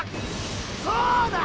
そうだ！